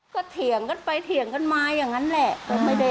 ก็เถียงกันไปเถียงกันมาอย่างนั้นแหละ